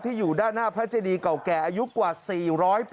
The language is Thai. อยู่ด้านหน้าพระเจดีเก่าแก่อายุกว่า๔๐๐ปี